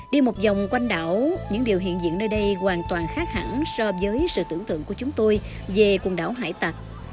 đi một dòng quanh đảo những điều hiện diện nơi đây hoàn toàn khác hẳn so với sự tưởng tượng của chúng tôi về quần đảo hải tạc